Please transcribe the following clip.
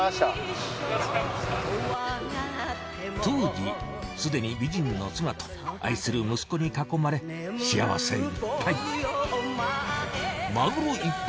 当時すでに美人の妻と愛する息子に囲まれ幸せいっぱい。